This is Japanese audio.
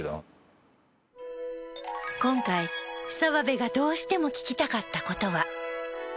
今回澤部がどうしても聞きたかった事は。